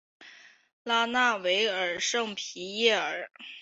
拉纳维尔圣皮耶尔。